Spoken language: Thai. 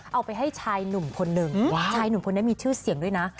เอาไปให้ชายหนุ่มคนหนึ่งชายหนุ่มคนนี้มีชื่อเสียงด้วยนะ